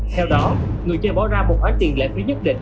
theo đó người chơi bỏ ra một ánh tiền lệ quý nhất định